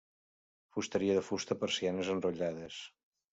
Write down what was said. Fusteria de fusta, persianes enrotllades.